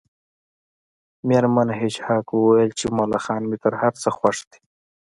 میرمن هیج هاګ وویل چې ملخان مې تر هر څه خوښ دي